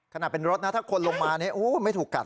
ขนาดเป็นรถนะถ้าคนลงมาไม่ถูกกัด